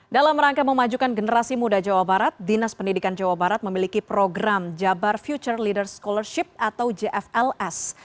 dalam rangka memajukan generasi muda jawa barat dinas pendidikan jawa barat memiliki program jabar future leader scholarship atau jfls